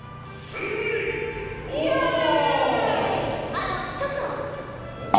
あのちょっと。え？